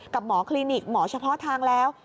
กับหมอคลินิกหมอเฉพาะทางแล้ว